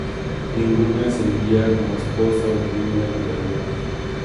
Ninguna ascendía como esposa o viuda del emperador.